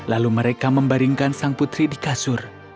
lalu mereka membaringkan sang putri di kasur